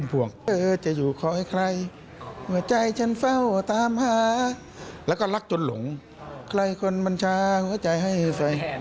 พี่โมทแกก็เขินจริง